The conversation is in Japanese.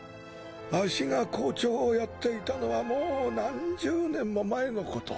ワシが校長をやっていたのはもう何十年も前のこと